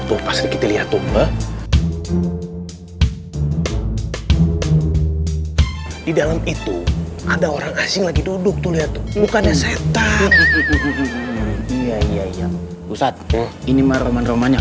ustadz ini mah roman romannya